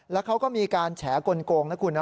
แล้วเขาก็มีการแฉกลงนะคุณนะ